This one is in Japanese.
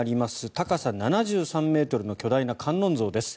高さ７３ｍの巨大な観音像です。